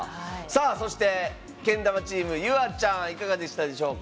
そして、けん玉チームＹｕａちゃんはいかがでしたでしょうか。